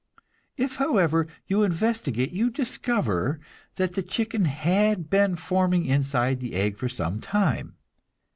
If, however, you investigate, you discover that the chicken had been forming inside the egg for some time.